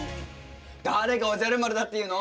誰がおじゃる丸だっていうの。